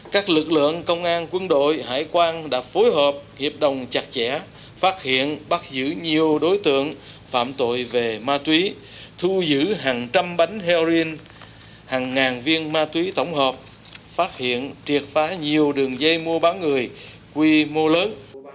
các lực lượng công an quân đội hải quan đã phối hợp hiệp đồng chặt chẽ phát hiện bắt giữ nhiều đối tượng phạm tội về ma túy thu giữ hàng trăm bánh heroin hàng ngàn viên ma túy tổng hợp phát hiện triệt phá nhiều đường dây mua bán người quy mô lớn